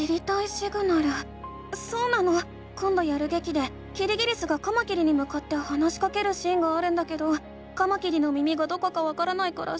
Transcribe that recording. そうなのこんどやるげきでキリギリスがカマキリにむかって話しかけるシーンがあるんだけどカマキリの耳がどこかわからないから知りたいの。